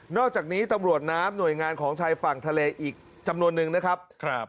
อกจากนี้ตำรวจน้ำหน่วยงานของชายฝั่งทะเลอีกจำนวนนึงนะครับ